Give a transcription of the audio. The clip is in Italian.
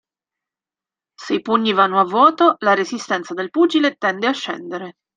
Se i pugni vanno a vuoto, la resistenza del pugile tende a scendere.